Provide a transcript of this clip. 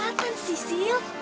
ini kesempatan sisil